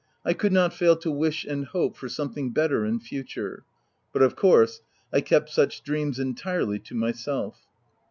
I could not fail to wish and hope for something better in future ; but of course, I kept such dreams en tirely to myself.